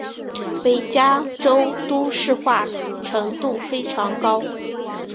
北加州都市化程度非常高。